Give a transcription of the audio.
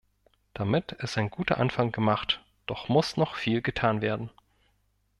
Damit ist ein guter Anfang gemacht, doch muss noch viel getan werden.